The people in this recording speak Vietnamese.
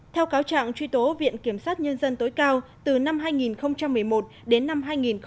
theo cáo trạng truy tố viện kiểm sát nhân dân tối cao từ năm hai nghìn một mươi một đến năm hai nghìn một mươi